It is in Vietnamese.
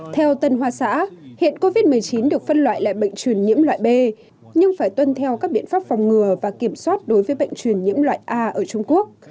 theo tân hoa xã hiện covid một mươi chín được phân loại lại bệnh truyền nhiễm loại b nhưng phải tuân theo các biện pháp phòng ngừa và kiểm soát đối với bệnh truyền nhiễm loại a ở trung quốc